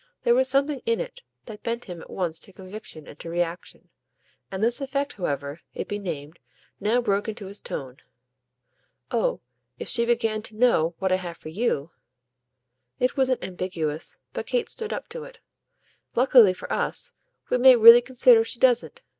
There was something in it that bent him at once to conviction and to reaction. And this effect, however it be named, now broke into his tone. "Oh if she began to know what I have for you !" It wasn't ambiguous, but Kate stood up to it. "Luckily for us we may really consider she doesn't.